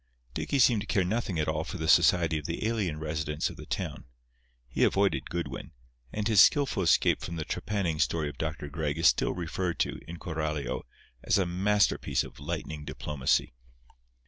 Dicky seemed to care nothing at all for the society of the alien residents of the town. He avoided Goodwin, and his skilful escape from the trepanning story of Dr. Gregg is still referred to, in Coralio, as a masterpiece of lightning diplomacy.